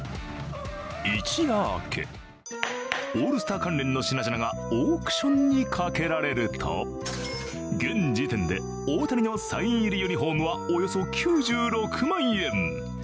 一夜明けオールスター関連の品々がオークションにかけられると現時点で、大谷のサイン入りユニフォームは、およそ９６万円。